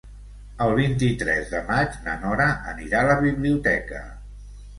El vint-i-tres de maig na Nora anirà a la biblioteca.